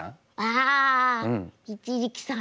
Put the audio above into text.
ああ一力さん。